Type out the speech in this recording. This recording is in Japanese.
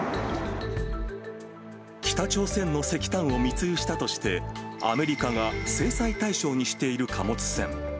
北朝鮮の石炭を密輸したとして、アメリカが制裁対象にしている貨物船。